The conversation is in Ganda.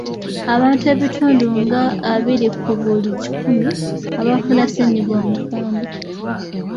Abantu ebitundu nga abiri ku buli kikumi abafuna ssennyiga omukambwe.